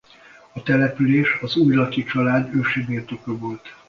A település az Újlaki család ősi birtoka volt.